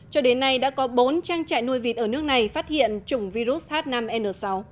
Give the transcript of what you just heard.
cho đến nay đã có bốn trang trại nuôi vịt ở nước này phát hiện chủng virus h năm n sáu